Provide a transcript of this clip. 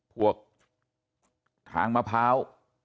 พวกทางมะพร้าว